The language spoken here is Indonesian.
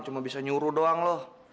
cuma bisa nyuruh doang loh